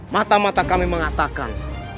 mata mata kami mengatakan